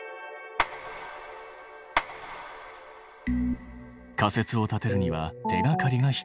仮説を立てるには手がかりが必要。